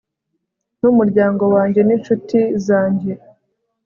Numuryango wanjye ninshuti zanjye